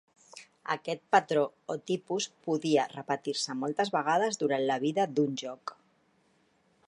Aquest patró o tipus podia repetir-se moltes vegades durant la vida d'un lloc.